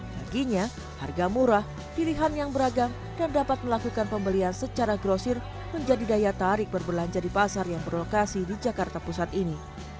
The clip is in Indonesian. baginya harga murah pilihan yang beragam dan dapat melakukan pembelian secara grosir menjadi daya tarik berbelanja di pasar yang berlokasi di jakarta pusat ini